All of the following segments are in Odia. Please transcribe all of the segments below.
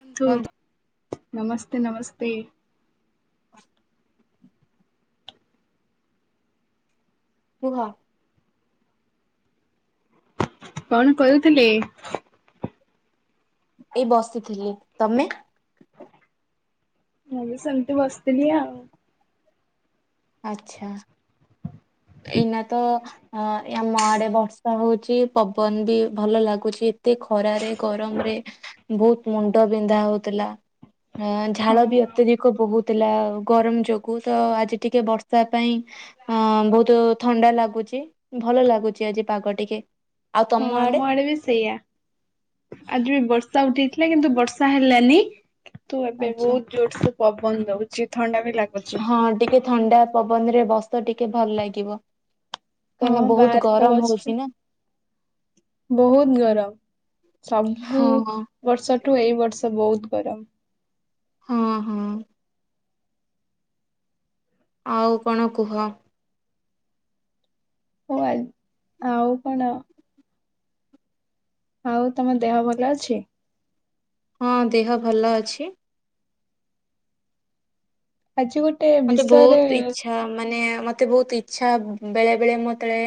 ବନ୍ଧୁ। ନମସ୍ତେ ନମସ୍ତେ କୁହ କଣ କରୁଥିଲେ ଏଇ ବସିଥିଲି ତମେ ମୁଁ ବି ସେମିତି ବସିଥିଲି ଆଉ ଆଚ୍ଛା ଏଇନା ତ ହ ଆମ ଆଡେ ବର୍ଷା ହଉଛିି ପବନ ବି ଭଲ ଲାଗୁଛି ଏତେ ଖରାରେ ଗରମରେ ବହୁତ ମୁଣ୍ଡ ବିନ୍ଧା ହଉଥିଲା। ହଁ ଝାଳ ବି ଅତ୍ୟଧିକ ବହୁତ ଥିଲା ଗରମ ଯୋଗୁ ତ ଆଜି ଟିକେ ବର୍ଷା ପାଇଁ ଅ ବହୁତ ଥଣ୍ଡା ଲାଗୁଛି ଭଲ ଲାଗୁଛି ଆଜି ପାଗ ଟିକେ। ଆଉ ହଁ ତମ ଆମ ଆଡେ ବି ସେଇଆ ଆଜି ବି ବର୍ଷା ସବୁଠିକ ହେଲେ କିନ୍ତୁ ବର୍ଷା ହେଲାନି। [inaudible] ତୁ ଏବେ ଆଚ୍ଛା ବହୁତ ଜୋରସେ ପବନ ଦଉଛି ଥଣ୍ଡା ବି ଲାଗୁଛି। ହଁ ଟିକେ ଥଣ୍ଡା ପବନରେ ବସ ତ ଟିକେ ଭଲ ଲାଗିବ। ହଁ କାହିଁକିନା ବହୁତ ବାହାରେ ତ ଗରମ ବସିଛୁ ହଉଛି ନା। ବହୁତ ଗରମ ସବୁ ହଁ ହଁ ବର୍ଷଠୁ ଏଇ ବର୍ଷ ତ ବହୁତ ଗରମ। ହଁ ହଁ। ଆଉ କଣ କୁହ? ହଉ ଆ ଆଉ କଣ? ଆଉ ତମ ଦେହ ଭଲ ଅଛି? ହଁ ଦେହ ଭଲ ଅଛି। ଆଜି ଗୋଟେ ମତେ ବିଷୟରେ ବହୁତ ଇଚ୍ଛା ମାନେ ମତେ ବହୁତ ଇଚ୍ଛା। ଛା ବେଳେ ବେଳେ ମୁଁ ଯେତଳେ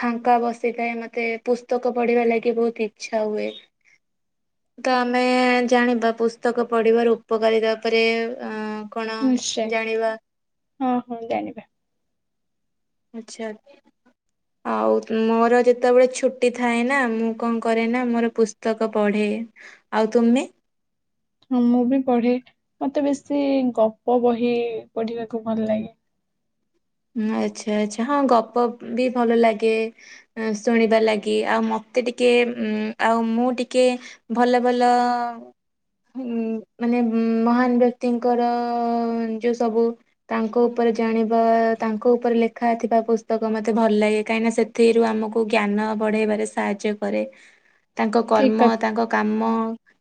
ଫାଙ୍କା ବସିଥାଏ ମତେ ପୁସ୍ତକ ପଢିବା ଲାଗି ବହୁତ ଇଚ୍ଛା ହୁଏ ତ ଆମେ ଜାଣିବା ପୁସ୍ତକ ପଢିବାର ଉପକାରିତା ପରେରେ ଅ କଣ? ନିଶ୍ଚୟ ଜାଣିବା। ହଁ ହଁ ଜାଣିବା। ଆଚ୍ଛା ଆଉ ମୋର ଯେତେବେଳେ ଛୁଟି ଥାଏ ନା ମୁଁ କଣ କରେ ନା ମୋର ପୁସ୍ତକ ପଢ଼େ ଆଉ ତୁମେ? ହଁ ମୁଁ ବି ପଢେ ମତେ ବେଶୀ ଗପ ବହି ପଢିବାକୁ ଭଲ ଲାଗେ। ଆଚ୍ଛା ଆଚ୍ଛା ହଁ ଗପ ବି ଭଲ ଲାଗେ ଶୁଣିବା ଲାଗି ଆଉ ମତେ ଟିକେ ଉ ଆଉ ମୁଁ ଟିକେ ଭଲ ଭଲ ମାନେ ମହାନ ବ୍ୟକ୍ତିଙ୍କର ଯୋଉ ସବୁ ତାଙ୍କ ଉପରେ ଜାଣିବା ତାଙ୍କ ଉପରେ ଲେଖା ଥିବା ପୁସ୍ତକ ତାଙ୍କ ଠିକ କର୍ମ କ ତାଙ୍କ କାମ।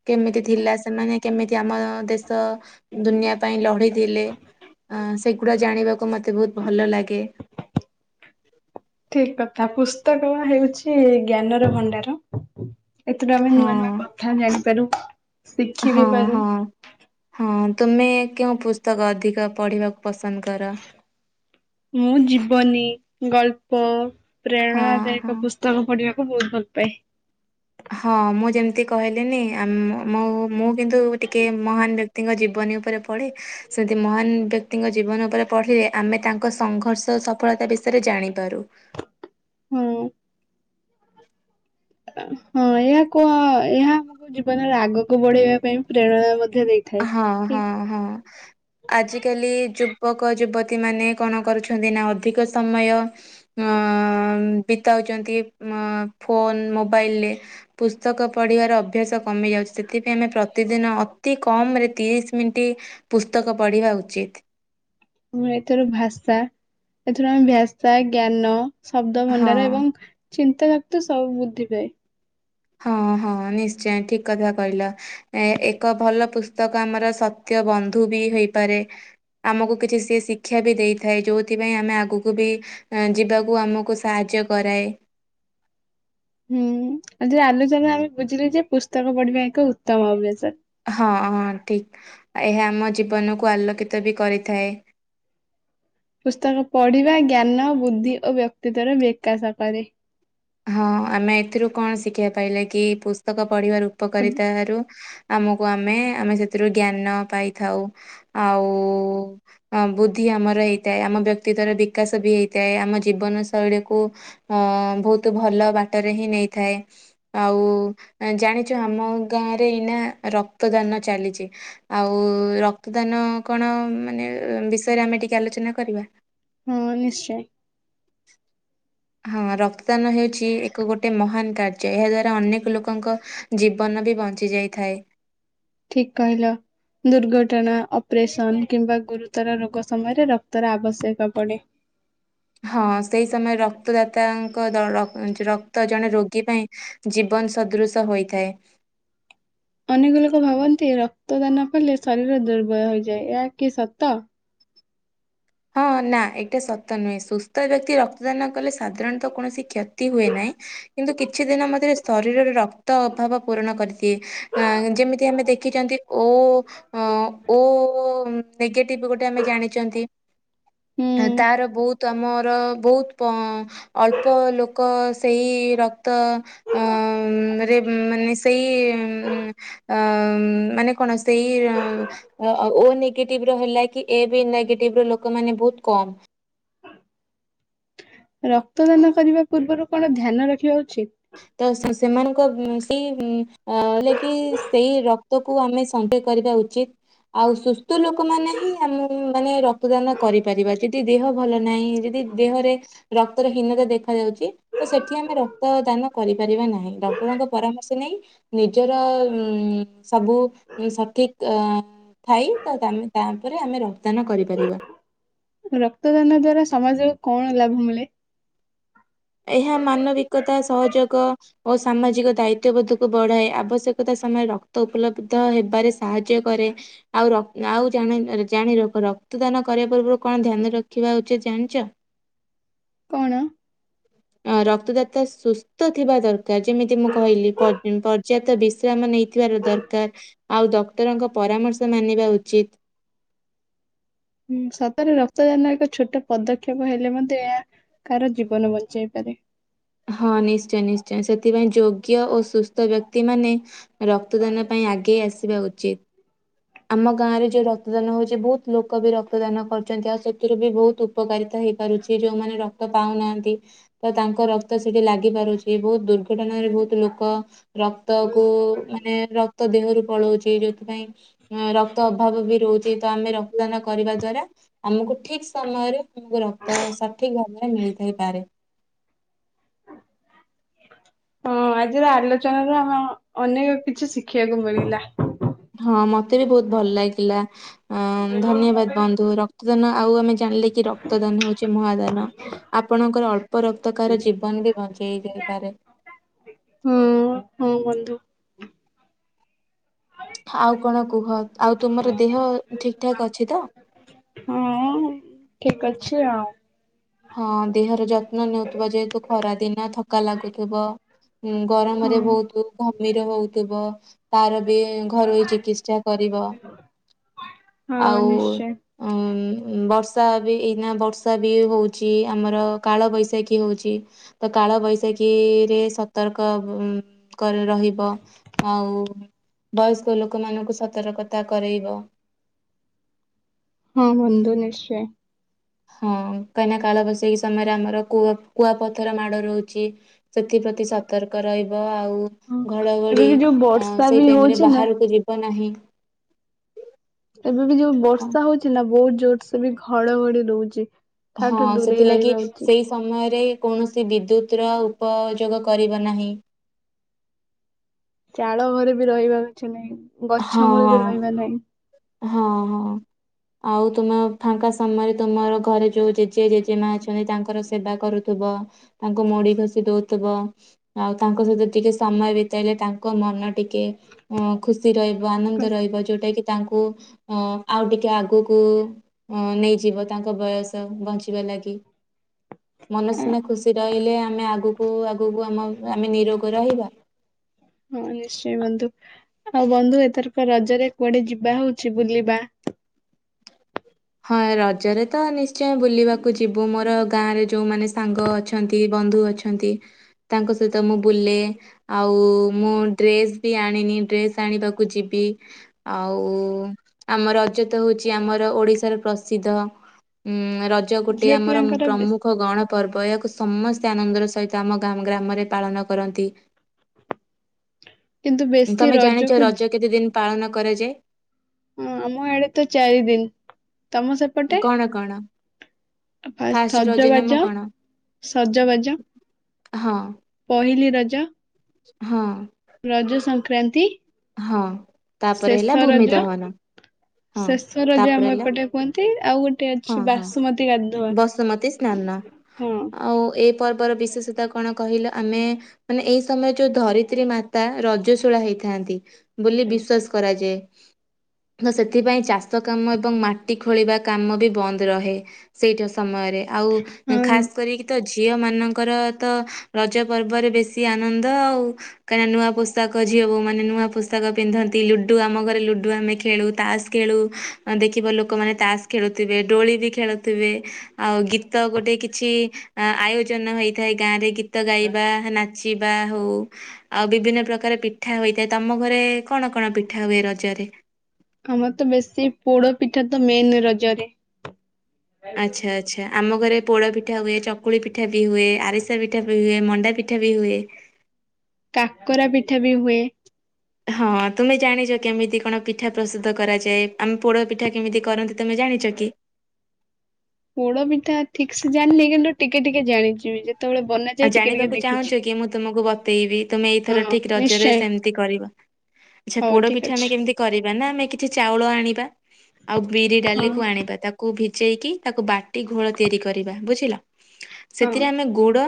କେମିତି ଥିଲା ସେମାନେ କେମିତି ଆମ ଦେଶ ଦୁନିଆ ପାଇଁ ଲଢିଥିଲେ ଅ ସେଗୁଡା ଜାଣିବାକୁ ମତେ ବହୁତ ଭଲ ଲାଗେ। ଠିକ କଥା ପୁସ୍ତକ ହେଉଛି ଜ୍ଞାନର ଭଣ୍ଡାର। ଏଥିରୁ ଆମେ ନୂଆ ହଁ। ନୂଆ କଥା ଜାଣିପାରୁ ଶିଖି ହଁ ବି ହଁ ପାରୁ। ହଁ ତୁମେ କେଉଁ ପୁସ୍ତକ ଅଧିକ ପଢ଼ିବାକୁ ପସନ୍ଦ କର? ମୁଁ ଜୀବନି ଗଳ୍ପ ହଁ ହଁ। ପ୍ରେରଣାଦାୟକ ପୁସ୍ତକ ପଢିବା ବହୁତ ଭଲ ପାଏ। ହଁ ମୁଁ ଯେମିତି କହିଲିନି ଆମ ମୋ ମୁଁ କିନ୍ତୁ ଟିକେ ମହାନ ବ୍ୟକ୍ତି ବ୍ୟକ୍ତିଙ୍କ ଜୀବନୀ ଉପରେ ପଢି ସେମତି ମହାନ ବ୍ୟକ୍ତିଙ୍କ ଜୀବନ ଉପରେ ପଢିଲେ ଆମେ ତାଙ୍କ ସଂଘର୍ଷ ସଫଳତା ବିଷୟରେ ଜାଣିପାରୁ। ହୁଁ। ଅ ହଁ ଏହା କୁହ ଏହା ଜୀବନରେ ଆଗକୁ ବଢେଇବା ପାଇଁ ପ୍ରେରଣା ମଧ୍ୟ ଦେଇଥାଏ। ହଁ ଠିକ ହଁ ହଁ ଆଜିିକାଲି ଯୋଉ ଯୁବକ ଯୁବତୀ ମାନେ କଣ କରୁଛନ୍ତି ନା ଅଧିକ ସମୟ ଅ ବିତାଉଛନ୍ତି ଅ ଫୋନ ମୋବାଇଲରେ ପୁସ୍ତକ ପଢ଼ିବାର ଅଭ୍ୟାସ କମି ଯାଉଛି ସେଥିପାଇଁ ଆମେ ପ୍ରତିଦିନ ଅତି କମ୍ କମ ରେ ତିରିଶ ମିନିଟ୍ ପୁସ୍ତକ ପଢ଼ିବା ଉଚିତ୍। ମୁଁ ଏଥର ଭାଷା ଏଥର ଆମେ ଭାଷା ଜ୍ଞାନ ଶବ୍ଦ ହଁ ଭଣ୍ଡାର ଏବଂ ଚିନ୍ତା ତ ସବୁ ବୁଦ୍ଧି ପାଏ। ହଁ ହଁ ନିଶ୍ଚୟ ଠିକ କଥା କହିଲ ଏ ଏକ ଭଲ ପୁସ୍ତକ ଆମର ସତ୍ୟ ବନ୍ଧୁ ବି ହେଇପାରେ ଆମକୁ କିଛି ସେ ଶିକ୍ଷା ବି ଦେଇଥାଏ ଯୋଉଥିପାଇଁ ଆମେ ଆଗକୁ ବି ଏ ଯିବାକୁ ଆମକୁ ସାହାଯ୍ୟ କରାଏ। ହୁଁ ଆଜି ଆଲୋଚନାରୁ ବୁଝିଲି ଯେ ପୁସ୍ତକ ପଢିବା ଏକ ଉତ୍ତମ ଅଭ୍ୟାସ। ହଁ ହଁ ଠିକ ଏହା ଆମ ଜୀବନକୁ ଆଲୋକିତ ବି କରିଥାଏ। ପୁସ୍ତକ ପଢିବା ଜ୍ଞାନ ବୁଦ୍ଧି ଓ ବ୍ୟକ୍ତିତ୍ୟର ବିକାଶ କରେ। ହଁ ଆମେ ଏଥିରୁ କଣ ଶିଖିବା ପାଇଲେ କି ପୁସ୍ତକ ପଢିବାର ଉପକାରିତାରୁ ଆମକୁ ଆମେ ଆମେ ସେଥିରୁ ଜ୍ଞାନ ପାଇଥାଉ ଆଉ ଉ ବୁଦ୍ଧି ଆମର ହେଇଥାଏ ଆମ ବ୍ୟକ୍ତିତ୍ୱର ବିକାଶ ବି ହେଇଥାଏ ଆମ ଜୀବନ ଶୈଳୀକୁ ଉ ବହୁତ ବହୁତ ଭଲ ବାଟରେ ହିଁ ନେଇଥାଏ ଆଉ ଜାଣିଛ ଆମ ଗାଁରେ ଏଇନା ରକ୍ତ ଦାନ ଚାଲିଛି ଆଉ ରକ୍ତଦାନ କଣ ମାନେ ବିଷୟରେ ଆମେ ଟିକେ ଆଲୋଚନା କରିବା। ହଁ ନିଶ୍ଚୟ। ହଁ ରକ୍ତଦାନ ହେଉଛି ଏକ ଗୋଟେ ମହାନ କାର୍ଯ୍ୟ ଏହା ଦ୍ୱାରା ଅନେକ ଲୋକଙ୍କ ଜୀବନ ବି ବଞ୍ଚି ଯାଇଥାଏ। ଠିକ କହିଲ ଦୁର୍ଘଟଣା ଅପରେସନ କିମ୍ବା ଗୁରୁତର ରୋଗ ସମୟରେ ରକ୍ତର ଆବଶ୍ୟକ ପଡେ। ହଁ ସେଇ ସମୟରେ ରକ୍ତଦାତାଙ୍କ ଦ ରକ୍ତ ଜଣେ ରୋଗୀ ପାଇଁ ଜୀବନ ସଦୃଶ ହୋଇଥାଏ। ଅନେକ ଲୋକ ଭାବନ୍ତି ରକ୍ତଦାନ କଲେ ଶରୀର ଦୁର୍ବଳ ହୋଇଯାଏ ଏହା କି ସତ। ହଁ ନା ଏଇଟା ସତ ନୁହେଁ ସୁସ୍ଥ ବ୍ୟକ୍ତି ରକ୍ତଦାନ କଲେ ସାଧାରଣତଃ କୌଣସି କ୍ଷତି ହୁଏ ନାହିଁ କିନ୍ତୁ କିଛି ଦିନ ମଧ୍ୟରେ ଶରୀରରେ ରକ୍ତ ଅଭାବ ପୂରଣ କରିଦିଏ ଅ ଯେମିତି ଆମେ ଦେଖିଛନ୍ତି ଓ ଅ ଓ ନେଗେଟିଭ ଗୋଟେ ଆମେ ଜାଣିଛନ୍ତି। ହୁଁ ତାର ବହୁତ ତ ଆମର ବହୁତ ପ ଅଳ୍ପ ଲୋକ ସେଇ ରକ୍ ତ ଅ ରେ ମାନେ ସେଇ ଅ ମାନେ କଣ ସେଇ ଓ ନେଗେଟିଭ ର ହେଲା କି ଏ ବି ନେଗେଟିଭ ଟିବ ର ଲୋକମାନେ ବହୁତ କମ୍। ରକ୍ତଦାନ କରିବା ପୂର୍ବରୁ କଣ ଧ୍ୟାନ ରଖିବା ଉଚିତ। ତ ସେ ସେମାନଙ୍କ ଉ ସେଇ ଲାଗି ସେଇ ରକ୍ତକୁ ଆମେ ସଗହ କରିବା ଉଚିତ ଆଉ ସୁସ୍ଥ ଲୋକ ମାନେ ହିଁ ଆମେ ମାନେ ରକ୍ତଦାନ କରିପାରିବା ଯଦି ଦେହ ଭଲ ନାହିଁ ଯଦି ଦେହରେ ରକ୍ତର ହୀନତା ଦେଖା ଯାଉଛି ତ ସେଠି ଆମେ ରକ୍ତ ଦାନ କରି ପାରିବା ନାହି ଡକ୍ଟରଙ୍କ ପରାମର୍ଷ ନେଇ ନିଜର ଉ ସବୁ ସଠିକ ଅ ଥାଇ ତାପରେ ଆମେ ରକତ ଦାନ କରିପାରିବା। ରକ୍ତଦାନ ଦ୍ଵାରା ସମାଜକୁ କଣ ଲାଭ ମିଳେ? ଏହା ମାନବିକତା ସହଯୋଗ ଓ ସାମାଜିକ ଦାୟିତ୍ୱବୋଧକୁ ବଢ଼ାଏ ଆବଶ୍ୟକତା ସମୟରେ ରକ୍ତ ଉପଲବ୍ଧ ହେବାରେ ସାହାଯ୍ୟ କରେ ଆଉ ର ଆଉ ଜାଣି ରଖ ରକ୍ତଦାନ କରିବା ପୂର୍ବରୁ କଣ ଧ୍ୟାନ ରଖିବା ଉଚିତ ଜାଣିଛ? କଣ? ଅ ରକ୍ତଦାତା ସୁସ୍ଥ ଥିବା ଦରକାର ଯେମିତି ମୁଁ କହିଲି ପଯ୍ୟ ପର୍ଯ୍ୟାପ୍ତ ବିଶ୍ରାମ ନେଇଥିବାର ଦରକାର ଆଉ ଡକ୍ଟରଙ୍କ ପରାମର୍ଶ ମାନିବା ଉଚିତ। ହଁ ସତରେ ରକ୍ତଦାନ ଏକ ଛୋଟ ପଦକ୍ଷେପ ହେଲେ ମଧ୍ୟ ଏହା କାହାର ଜୀବନ ବଞ୍ଚେଇ ପାରେ। ହଁ ନିଶ୍ଚୟ ନିଶ୍ଚୟ ସେଥିପାଇଁ ଯୋଗ୍ୟ ଓ ସୁସ୍ଥ ବ୍ୟକ୍ତି ମାନେ ରକ୍ତଦାନ ପାଇଁ ଆଗେଇ ଆସ୍ ଉଚିତ୍। ଆମ ଗାଁ ରେ ଯୋଉ ରକ୍ତଦାନ ହଉଛି ବହୁତ୍ ଲୋକ ବି ରକ୍ତଦାନ କରୁଛନ୍ତି ଆଉ ସେଥିରୁ ବି ବହୁତ୍ ଉପକାରିତା ହେଇପାରୁଛି ଯୋଉମାନେ ରକ୍ତ ପାଉନାହାନ୍ତି ତ ତାଙ୍କ ରକ୍ତ ସେଠି ଲାଗି ପାରୁଛି ବହୁତ୍ ଦୁର୍ଘଟଣାରେ ବହୁତ୍ ଲୋକ ରକ୍ତ କୁ ମାନେ ରକ୍ତ ଦେହରୁ ପଲଉଛି ଯଉଥିପାଇଁ ରକ୍ତ ଅଭାବ ବି ରହୁଛି ତ ଆମେ ରକ୍ତଦାନ କରିବା ଦ୍ଵାରା ଆମକୁ ଠିକ୍ ସମୟରେ ଆମକୁ ରକ୍ତ ସଠିକ୍ ମାନେ ମିଳି ଥାଇ ପାରେ। ହଁ ଆଜିର ଆଲୋଚନା ରୁ ଆମେ ଅନେକ କିଛି ଶିଖିବାକୁ ମିଳିଲା। ହଁ ମତେ ବି ବହୁତ୍ ଭଲ ଲାଗିଲା। ଅଁ ଧନ୍ୟବାଦ ବନ୍ଧୁ ରକ୍ତଦାନ ଆଉ ଆମେ ଜାଣିଲେ କି ରକ୍ତଦାନ ହଉଛି ମହାଦାନ ଆପଣଙ୍କର ଅଳ୍ପ ରକ୍ତ କାହାର ଜୀବନ ବି ବଞ୍ଚେଇ ଦେଇପାରେ। ହଁ ହଁ ବନ୍ଧୁ। ଆଉ କଣ କୁହ ଆଉ ତୁମର ଦେହ ଠିକ୍ ଠାକ୍ ଅଛି ତ? ଠିକ୍ ଅଛି ଆଉ। ହଁ ଦେହର ଯତ୍ନ ନେଉଥିବ ଯେହେତୁ ଖରା ଦିନ୍ ନ ଥକା ଲାଗୁଥିବ ହୁଁ ଗରମରେ ବହୁତ୍ ଘିମୀର ହଉଥିବ ତାର ବି ଘରୋଇ ଚିକିତ୍ସା କରିବ ହଁ ଆଉ ନିଶ୍ଚୟ ଉଁ ବର୍ଷା ବି ଏଇନା ବର୍ଷା ବି ହଉ ଚି ଆମର କାଳବୈଶାଖୀ ହଉଚି ତ କାଳବୈଶାଖୀ ରେ ସତର୍କ କରି ରହିବ ଆଉ ବୟସ୍କ ଲୋକମାନ ଙ୍କୁ ସତର୍କତା କରେଇବ। ହଁ ବନ୍ଧୁ ନିଶ୍ଚୟ। ହଁ କାହିଁନା କାଳବୈଶାଖୀ ସମୟରେ ଆମର କୁଅ କୁଆପଥର ମାଡ଼ ରହୁଛି ସେଥିପ୍ରତି ସତର୍କ ରହିବ ଆଉ ଆଉ ହଁ ଏବେ ଘଡ଼ଘଡ଼ି ବି ଯୋଉ ବର୍ଷା ବି ସେଇ ଟାଇମ୍ ରେ ହଉଛି ନା ବାହାରକୁ ଯିବ ନାହିଁ। ଏବେ ବି ଯୋଉ ବର୍ଷା ହଉଛି ନା ବହୁତ ଜୋରୋ ସ୍ ସେ ବି ଘଡ଼ଘଡ଼ି ଦଉଚି। ହଁ ସେଥିଲାଗି ସେଇ ସମୟରେ କୌଣସି ବିଦ୍ୟୁତ୍ ର ଉପଯୋଗ କରିବ ନାହିଁ। ଚାଳ ଘରେ ବି ରହିବା ଅଛି ନାହିଁ। ଗଛ ମୂଳେ ବି ହଁ ରହିବା ନାହିଁ। ହଁ ହଁ ଆଉ ତୁମ ଫାଙ୍କା ସମୟରେ ତୁମର ଘରେ ଯୋଉ ଜେଜେ ଜେଜେମା ଅଛନ୍ତି ତାଙ୍କର ସେବା କରୁଥିବ ତାଙ୍କୁ ମୋଡ଼ି ଘସିି ଦଉଥିବ ଆଉ ତାଙ୍କ ସହିତ ଟିକେ ସମୟ ବିତେଇଲେ ତାଙ୍କ ମନ ଟିକେ ଖୁସି- ଖୁସି ରହିବ ଆନନ୍ଦ ରହିବ ଯୋଉଟା କି ଉ ଆଉ ଟିକେ ଆଗକୁ ନେଇଯିବ ତାଙ୍କ ବୟସ ବଞ୍ଚିବା ଲାଗି ମନସିନା ହଁ ଖୁସି ରହିଲେ ଆମେ ଆଗକୁ ଆଗକୁ ଆମ ଆମେ ନିରୋଗ ରହିବା। ହଁ ନିଶ୍ଚୟ ବନ୍ଧୁ ଆଉ ବନ୍ଧୁ ଏଥରକ ରଜରେ କୁଆଡ଼େ ଯିବା ହଉଛି ବୁଲିବା। ହଁ ରଜରେ ତ ନିଶ୍ଚୟ ବୁଲିବାକୁ ଯିବୁ ମୋର ଗାଁରେ ଯୋଉମାନେ ସାଙ୍ଗ ଅଛନ୍ତି ବନ୍ଧୁ ଅଛନ୍ତି ତାଙ୍କ ସହିତ ମୁଁ ବୁଲେ ଆଉ ମୁଁ ଡ୍ରେସ୍ ବି ଆଣିନି ଡ୍ରେସ୍ ଆଣିବାକୁ ଯିବି ଆଉ ଆମ ରଜ ତ ହଉଛି ଆମର ଓଡ଼ିଶା ଓଡ଼ିଶା ରେ ପ୍ରସିଦ୍ଧ ଉଁ ର ରଜ ଗୋଟିଏ ଝିଅ ଆମର ପିଲାଙ୍କର ବେଶୀ ପ୍ରମୁଖ ଗଣ ପର୍ବ। ବୟକୁ ସମସ୍ତେ ଆନନ୍ଦର ସହିତ ଆମ ଗ୍ରାମରେ ପାଳନ କରନ୍ତି। କିନ୍ତୁ ବେଶୀ ତମେ ଜାଣିଛ ରଜକୁ ରଜ କେତେ ଦିନ ପାଳନ କରାଯାଏ? ହଁ ଆମ ଆଡେ ତ ଚାରି ଦିନ। ତମ ସେପଟେ କଣ କଣ ଫାଷ୍ଟ ରଜ ନାମ ସଜବାଜ କଣ ସଜବାଜ ହଁ ପହିଲି ର ରଜ ହଁ ରଜ ସଂକ୍ରାନ୍ତି ହଁ ତାପରେ ହେଲା ଶେଷ ଭୂମି ରଜ ଦହନ ହଁ ଶେଷ ରଜ ତାପରେ ଆମ ହେଲା ଏପଟେ କୁହନ୍ତି ଆଉ ଗୋଟେ ହଁ ଅଛି ହଁ ବାସୁମତୀ ଗାଧୁଆ ବସୁମତୀ ସ୍ନାନ ହଁ। ଆଉ ଏଇ ପର୍ବର ବିଶେଷତା କଣ କହିଲ ଆମେ ମାନେ ଏଇ ସମୟରେ ଯୋଉ ଧରିତ୍ରୀ ମାତା ରଜସ୍ୱଳା ହେଇଥାନ୍ତି। ହଁ ବୋଲି ବିଶ୍ୱାସ କରାଯାଏ। ତ ସେଥିପାଇଁ ଚାଷ କାମ ଏବଂ ମାଟି ଖୋଳିବା କାମ ବି ବନ୍ଦ ରହେ ସେଇଟା ସମୟରେ ଆଉ ହଁ ଖାସ କରିକି ତ ଝିଅ ମାନଙ୍କର ତ ରଜ ପର୍ବରେ ବେଶୀ ଆନନ୍ଦ ଆଉ କାହିଁକିନା ନୂଆ ପୋଷାକ ଝିଅବୋହୂ ମାନେ ନୂଆ ପୋଷାକ ପିନ୍ଧନ୍ତି ଲୁଡୁ ଆମ ଘରେ ଲୁଡୁ ଆମେ ଖେଳୁ ତାସ ଖେଳୁ ଦେଖିବ ଲୋକମାନେ ତାସ ଖେଳୁଥିବେ ଡୋଳି ବି ଖେଳୁଥିବେ ଆଉ ଗୀତ ଗୋଟେ କିଛି ଆୟୋଜନ ହୋଇଥାଏ ଗାଁ ରେ ଗୀ ଗୀତ ଗାଇବା ନାଚ ଯିବା ହଉ ଆଉ ବିଭିନ୍ନ ପ୍ରକାର ପିଠା ହୋଇଥାଏ। ତମ ଘରେ କଣ କଣ ପିଠା ହୁଏ ରଜରେ? ଆମର ତ ବେଶୀ ପୋଡପିଠା ତ ମେନ୍ ରଜରେ। ଆଚ୍ଛା ଆଚ୍ଛା। ଆମ ଘରେ ପୋଡ଼ ପିଠା ହୁଏ ଚକୁଳି ପିଠା ବି ହୁଏ ଆରିସା ପିଠା ବି ହୁଏ ମଣ୍ଡା ପିଠା ବି ହୁଏ। କାକରା ପିଠା ବି ହୁଏ। ହଁ ତୁମେ ଜାଣିଚି କେମିତି କଣ ପିଠା ପ୍ରସ୍ତୁତ କରାଯାଏ ଆମେ ପୋଡ ପିଠା କେମିତି କରନ୍ତି ତମେ ଜାଣିଛ କି? ପୋଡ ପିଠା ଠିକ ସେ ଜାଣିନି କିନ୍ତୁ ଟିକେ ଟିକେ ଜାଣିଚି ବି ଆଉ ଜାଣିବାକୁ ଚାହୁଁଚି କି ମୁଁ ତୁମକୁ ବତେଇବି ତୁମେ ହଁ ଏଇଥର ଠିକ ରଜରେ ନିଶ୍ଚୟ ସେମିତି କରିବ। ଆଚ୍ଛା ହଉ ପୋଡ ଠିକ ପିଠା ଅଛି ଆମେ କେମିତି କରି ମାନେ ଆମେ କିଛି ଚାଉଳ ଆଣିବା। ଆଉ ବିରି ହଁ ଡାଲିକୁୁ ଆଣିବା ତାକୁ ଭି ଜେଇକି ତାକୁ ବାଟି ଘୋଳ ତିଆରି କରିବା ବୁଝିଲ। ହଁ ସେଥିରେ ଆମେ ଗୁଡ଼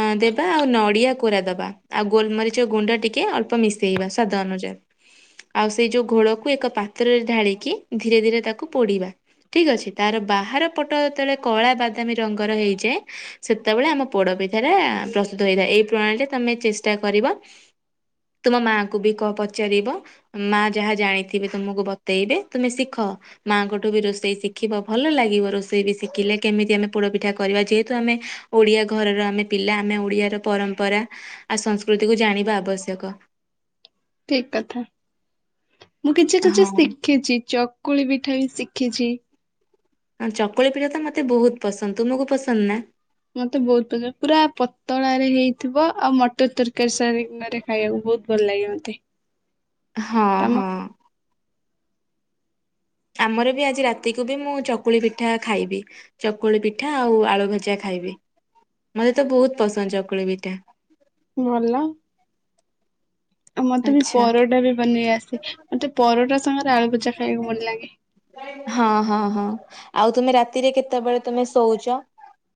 ହଁ ଦେବା ଆଉ ନଡିଆ କୋରା ଦବା ଆଉ ଗୋଲମରିଚ ଗୁଣ୍ଡ ଟିକେ ଅଳ୍ପ ମିଶେଇବା ସ୍ଵାଦ ଅନୁଯାୟୀ ଆଉ ସେଇ ଯୋଉ ଘୋଳକୁ ଏକ ପାତ୍ରରେ ଢାଳିକି ଧୀରେ ଧୀରେ ତାକୁ ପୋଡିବା ଠିକ ଅଛି ତାର ବାହାର ପଟ ଯେତେବେଳେ କଳା ବାଦାମୀ ରଙ୍ଗର ହେଇଯାଏ ସେତେବେଳେ ଆମ ପୋଡ ପି ଠାଟା ପ୍ରସ୍ତୁତ ହୋଇଥାଏ ଏଇ ପ୍ରଣାଳୀରେ ତମେ ଚେଷ୍ଟା କରିବ ତୁମ ମାଙ୍କୁ ବି କ ପଚାରିବ ମା ଯାହା ଜାଣିଥିବେ ତୁମକୁ ବତେଇବେ ତମେ ଶିଖ ମାଙ୍କଠୁ ବି ରୋଷେଇ ଶିଖିବ ଭଲ ଲାଗିବ ରୋଷେଇ ବି ଶିଖିଲେ କେମିତି ଆମେ ପୋଡ ପିଠା କରିବା ଯେହେତୁ ଆମେ ଓଡିଆ ଘରର ଆମେ ପିଲା ଆମେ ଓଡିଆର ପରମ୍ପରା ଆଉ ସଂସ୍କୃତିକୁ ଜାଣିବା ଆବଶ୍ୟକ। ଠିକ କଥା। ମୁଁ କିଛି କିଛି ହଁ ଶିଖିଛି ଚକୁଳି ପିଠା ବି ଶିଖିଚି। ହଁ ଚକୁଳି ପିଠା ତ ମତେ ବହୁତ ପସନ୍ଦ ତୁମକୁ ପସନ୍ଦ ନା? ମତେ ବୋହୁତ ପସନ୍ଦ ପୁରା ପତଳା ରେ ହେଇଥିବ ଆଉ ମଟର ତରକାରୀ ସାଙ୍ଗରେ। ଖାଇବାକୁ ବହୁତ ଭଲ ଲାଗେ ମତେ। ହଁ ତମ ହଁ। ଆମର ବି ଆଜି ରାତିକୁ ବି ମୁଁ ଚକୁଳି ପିଠା ଖାଇବି ଚକୁଳି ପିଠା ଆଉ ଆଳୁ ଭଜା ଖାଇବି ମତେ ତ ବହୁତ ପସନ୍ଦ ଚକୁଳି ପିଠା। ଭଲ ଆଉ ମତେ ବି ଆଚ୍ଛା। ପରଟା ବି ବନେଇ ଆସେ ମତେ ପରଟା ସାଙ୍ଗରେ ଆଳୁ ଭଜା ଖାଇବାକୁ ଭଲ ଲାଗେ। ହଁ ହଁ ହଁ ଆଉ ତମେ ରାତିରେ କେତେବେଳେ ତମେ ଶୋଉଚି?